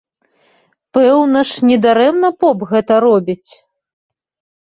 Пэўна ж, не дарэмна поп гэта робіць!